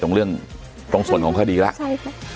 ตรงส่วนของคดีแล้ว